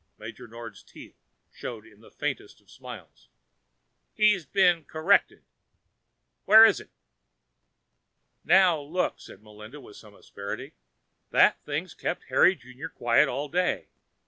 Major Nord's teeth showed in the faintest of smiles. "He has been corrected. Where is it?" "Now look," said Melinda with some asperity. "That thing's kept Harry Junior quiet all day.